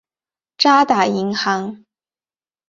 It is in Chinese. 渣打银行。